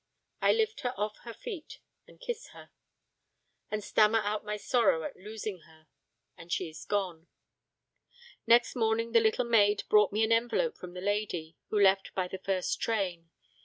I lift her off her feet and kiss her, and stammer out my sorrow at losing her, and she is gone. Next morning the little maid brought me an envelope from the lady, who left by the first train.